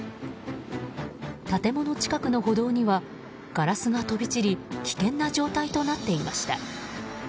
建物近くの歩道にはガラスが飛び散り危険な状態となっていました。